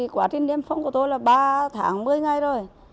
quả thiên niêm phong của tôi là ba tháng một mươi ngày rồi